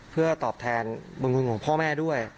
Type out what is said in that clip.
เพื่อตอบแทนบุญคุณของพ่อแม่ด้วย